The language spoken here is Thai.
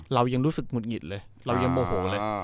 เรายังรู้สึกหงุดหงิดเลยเรายังโมโหเลย